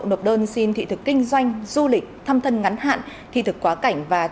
nộp đơn xin thị thực kinh doanh du lịch thăm thân ngắn hạn thị thực quá cảnh và